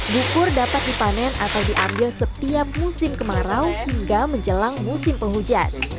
bukur dapat dipanen atau diambil setiap musim kemarau hingga menjelang musim penghujan